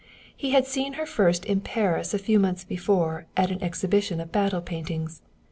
He had seen her first in Paris a few months before at an exhibition of battle paintings.